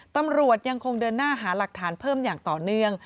ตำรวจยังคงเดินหน้าหาหลักฐานเพิ่มอย่างต่อเนื่อง